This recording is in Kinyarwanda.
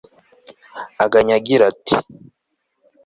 aganya agira ati